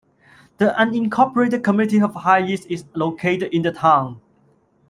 The unincorporated community of Hayes is located in the town.